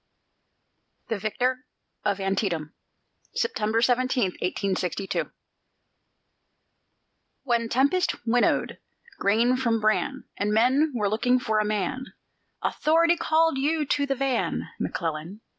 THE VICTOR OF ANTIETAM [September 17, 1862] When tempest winnowed grain from bran, And men were looking for a man, Authority called you to the van, McClellan!